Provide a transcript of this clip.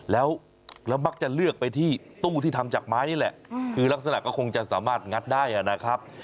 แล้วมักจะเลือกไปที่ตู้ที่ทำจากไม้นี่แหละคือลักษณะก็คงจะสามารถงัดได้นะครับ